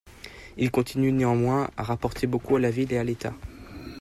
Il continue néanmoins à rapporter beaucoup à la ville et à l'État.